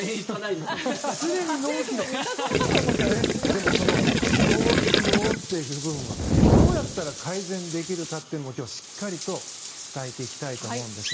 でもその脳疲労っていう部分はどうやったら改善できるのかっていうところも今日しっかりと伝えていきたいと思います。